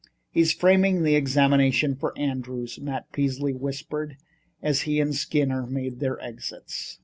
"He's framing the examination for Andrews," Matt Peasley whispered, as he and Skinner made their exits.